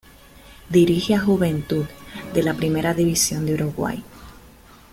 Dirige a Juventud, de la Primera División de Uruguay.